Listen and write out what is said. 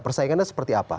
persaingannya seperti apa